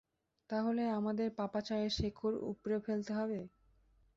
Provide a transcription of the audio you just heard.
তাহলে আমাদের পাপাচারের শেকড় উপড়ে ফেলতে হবে।